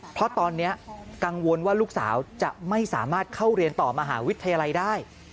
เพราะตอนนี้กังวลว่าลูกสาวจะไม่สามารถเข้าเรียนต่อมหาวิทยาลัยได้